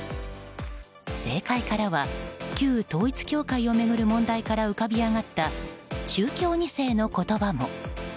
政界からは、旧統一教会を巡る問題から浮かび上がった宗教２世の言葉も。